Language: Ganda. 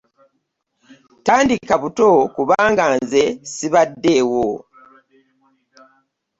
Tandika buto kubanga nze sibade ewo.